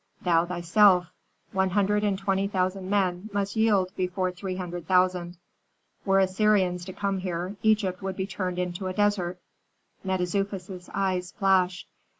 "Thou thyself. One hundred and twenty thousand men must yield before three hundred thousand. Were Assyrians to come here, Egypt would be turned into a desert." Mentezufis' eyes flashed.